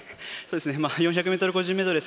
４００ｍ個人メドレー